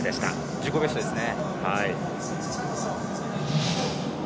自己ベストですね。